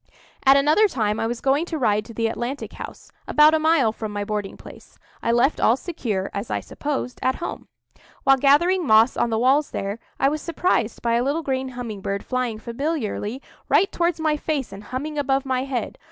At another time I was going to ride to the Atlantic House, about a mile from my boarding place. I left all secure, as I supposed, at home. While gathering moss on the walls there, I was surprised by a little green humming bird flying familiarly right towards my face and humming above my head.